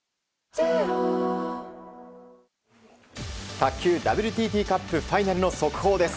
卓球ＷＴＴカップファイナルズの速報です。